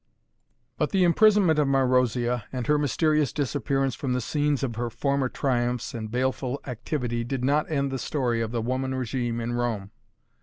But the imprisonment of Marozia, and her mysterious disappearance from the scenes of her former triumphs and baleful activity did not end the story of the woman regime in Rome.